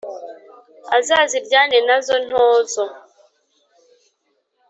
azaziryane na za ntozo